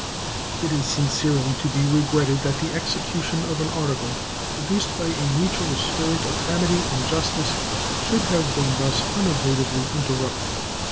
It is sincerely to be regretted that the execution of an article produced by a mutual spirit of amity and justice should have been thus unavoidably interrupted.